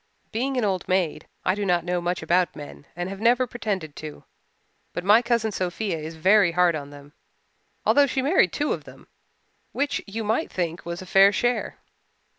Being an old maid, I do not know much about men and have never pretended to, but my cousin Sophia is very hard on them, although she married two of them, which you might think was a fair share.